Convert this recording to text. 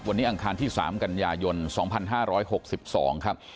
วันนี้อังคารที่๓กันยายน๒๕๖๒ครับ